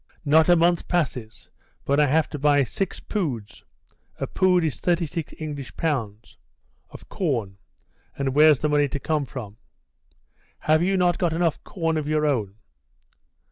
"Not a month passes but I have to buy six poods [a pood is 36 English pounds] of corn, and where's the money to come from?" "Have you not got enough corn of your own?"